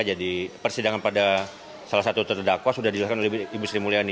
jadi persidangan pada salah satu terdakwa sudah dijelaskan oleh ibu sri mulyani